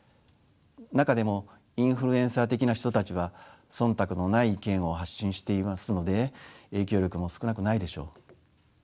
中でもインフルエンサー的な人たちは忖度のない意見を発信していますので影響力も少なくないでしょう。